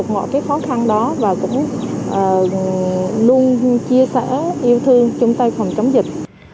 mọi cái khó khăn đó và cũng luôn chia sẻ yêu thương chúng tôi không chống dịch